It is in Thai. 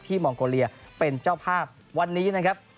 มองโกเลียเป็นเจ้าภาพวันนี้นะครับ